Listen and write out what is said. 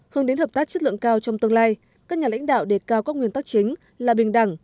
hướng đến hợp tác chất lượng cao trong tương lai các nhà lãnh đạo đề cao các nguyên tắc chính là bình đẳng